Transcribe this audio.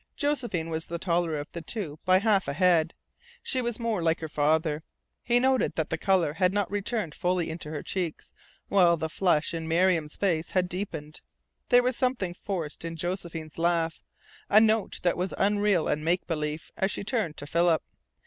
Josephine was the taller of the two by half a head. She was more like her father. He noted that the colour had not returned fully into her cheeks, while the flush in Miriam's face had deepened. There was something forced in Josephine's laugh, a note that was unreal and make believe, as she turned to Philip.